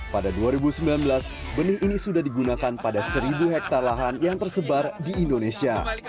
pada dua ribu sembilan belas benih ini sudah digunakan pada seribu hektare lahan yang tersebar di indonesia